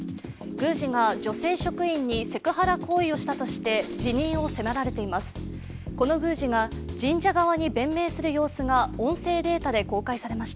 宮司が女性職員にセクハラ行為をしたとして辞任を迫られています。